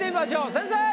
先生！